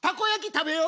食べよう。